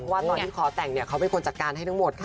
ว่าตอนที่ขอแต่งเนี่ยเขาเป็นคนจัดการให้ทั้งหมดค่ะ